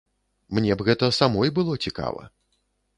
Мне б гэта самой было цікава.